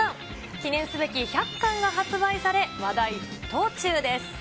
記念すべき１００巻が発売され、話題沸騰中です。